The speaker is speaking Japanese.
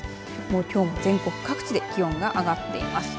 きょうも全国各地で気温が上がっています。